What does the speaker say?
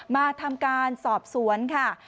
มาทำการสอบสวนค่ะ